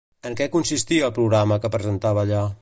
En què consistia el programa que presentava allà?